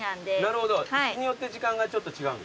なるほど日によって時間がちょっと違うんですか？